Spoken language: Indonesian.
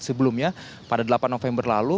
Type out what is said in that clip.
sebelumnya pada delapan november lalu